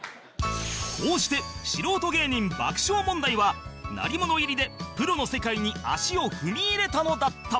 こうして素人芸人爆笑問題は鳴り物入りでプロの世界に足を踏み入れたのだった